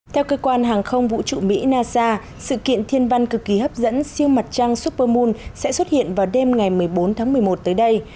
theo cơ quan hàng không vũ trụ mỹ nasa sự kiện thiên văn cực kỳ hấp dẫn siêu mặt trăng supermun sẽ xuất hiện vào đêm ngày một mươi bốn tháng một mươi một tới đây